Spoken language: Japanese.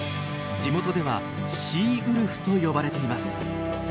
地元では「シーウルフ」と呼ばれています。